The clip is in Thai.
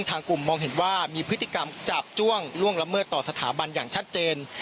ทางกลุ่มมองเห็นว่ามีพฤติกรรมจาบจ้วงล่วงละเมิดต่อสถาบันอย่างชัดเจน